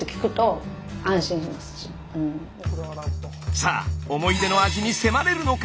さあ思い出の味に迫れるのか？